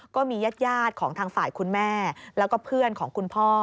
ก็มีญาติของทางฝ่ายคุณแม่แล้วก็เพื่อนของคุณพ่อ